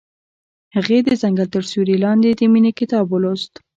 هغې د ځنګل تر سیوري لاندې د مینې کتاب ولوست.